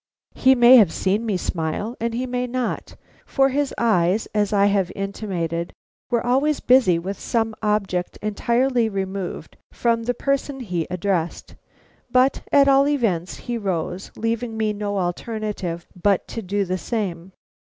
He may have seen me smile and he may not, for his eyes, as I have intimated, were always busy with some object entirely removed from the person he addressed; but at all events he rose, leaving me no alternative but to do the same.